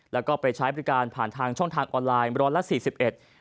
แล้วก็ไปใช้บริการผ่านทางช่องทางออนไลน์๑๔๑